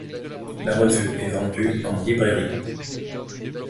La revue est vendue en librairie.